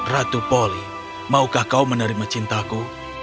ratu poli maukah kau menerima cintaku